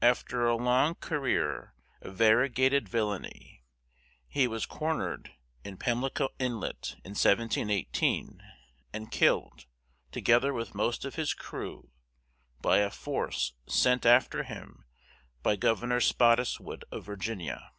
After a long career of variegated villainy, he was cornered in Pamlico Inlet, in 1718, and killed, together with most of his crew, by a force sent after him by Governor Spottiswood of Virginia.